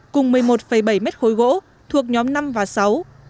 cùng một mươi một bảy mét khối gỗ thuộc nhóm năm và sáu